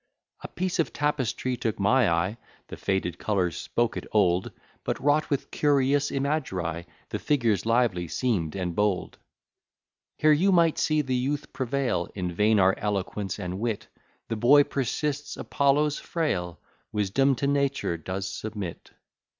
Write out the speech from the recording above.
A piece of tapestry took my eye, The faded colours spoke it old; But wrought with curious imagery, The figures lively seem'd and bold. Here you might see the youth prevail, (In vain are eloquence and wit,) The boy persists, Apollo's frail; Wisdom to nature does submit.